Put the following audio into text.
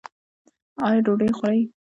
ایا ډوډۍ خورئ؟